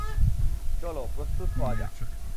চলো, প্রস্তুত হওয়া যাক।